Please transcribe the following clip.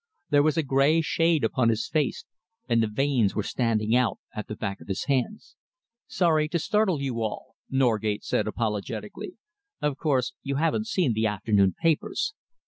There was a grey shade upon his face, and the veins were standing out at the back of his hands. "So sorry to startle you all," Norgate said apologetically. "Of course, you haven't seen the afternoon papers.